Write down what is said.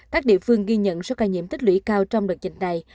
các địa phương ghi nhận số ca nhiễm tích lũy cao trong đợt dịch này